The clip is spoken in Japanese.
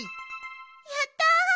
やった！